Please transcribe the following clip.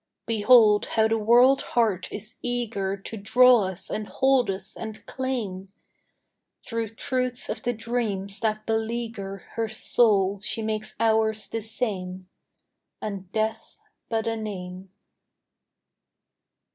Behold how the world heart is eager To draw us and hold us and claim! Through truths of the dreams that beleaguer Her soul she makes ours the same, And death but a name.